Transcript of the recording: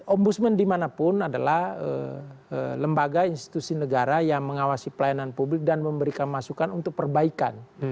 ombudsman dimanapun adalah lembaga institusi negara yang mengawasi pelayanan publik dan memberikan masukan untuk perbaikan